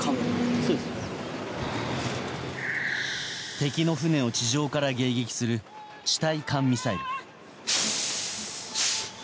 敵の船を地上から迎撃する地対艦ミサイル。